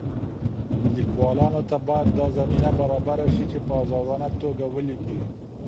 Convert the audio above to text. ليکوالانو ته بايد دا زمينه برابره سي چي په ازادانه توګه وليکي.